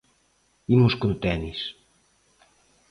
Imos con tenis.